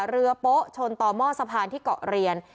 โป๊ะชนต่อหม้อสะพานที่เกาะเรียน